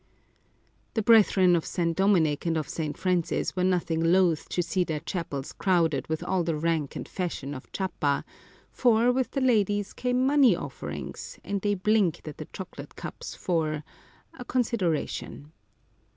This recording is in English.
The brethren of St. Dominic and of St. Francis were nothing loath to see their chapels crowded with all the rank and fashion of Chiapa ; for, with the ladies came money offerings, and they blinked at the chocolate cups for — a consideration.